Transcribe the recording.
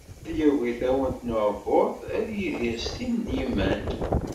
Ad yagi tawant n uɛebbuḍ ad yidir s tin n yiman.